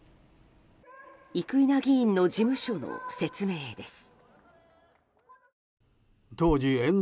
生稲議員の事務所の説明です。